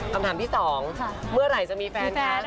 คำถามที่๒เมื่อไหร่จะมีแฟนกัน